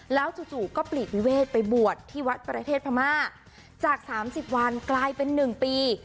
แล้วจู่ก็ปลีกนิเวศไปบวชที่วัดประเทศพม่าจากสามสิบวันกลายเป็น๑ปี